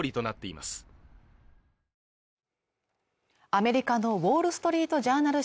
アメリカの「ウォール・ストリート・ジャーナル」